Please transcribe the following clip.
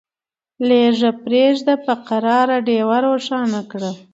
لیږه پریږده په قرار ډېوه روښانه